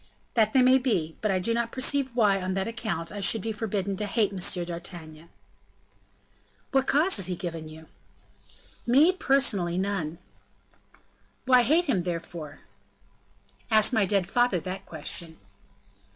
"That they may be; but I do not perceive why, on that account, I should be forbidden to hate M. d'Artagnan." "What cause has he given you?" "Me! personally, none." "Why hate him, therefore?" "Ask my dead father that question."